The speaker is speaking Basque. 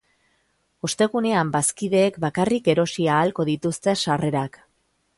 Ostegunean, bazkideek bakarrik erosi ahalko dituzte sarrerak.